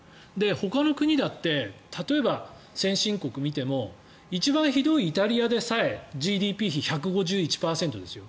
ほかの国だって例えば、先進国を見ても一番ひどいイタリアでさえＧＤＰ比１５１％ですよ。